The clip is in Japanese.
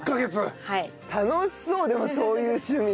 楽しそうでもそういう趣味。